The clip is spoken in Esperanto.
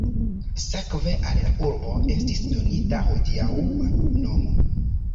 Sekve al la urbo estis donita hodiaŭa nomo.